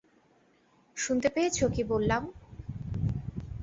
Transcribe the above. শুনতে পেয়েছো কি বললাম?